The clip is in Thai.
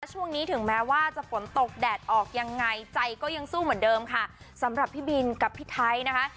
ช่วงนี้ถึงแม้ว่าจะฝนตกแดดออกยังไงใจก็ยังสู้เหมือนเดิมค่ะสำหรับพี่บินกับพี่ไทยนะคะ